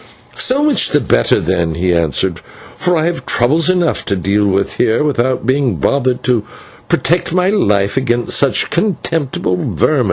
"So much the better then," he answered, "for I have troubles enough to deal with here, without being bothered to protect my life against such contemptible vermin.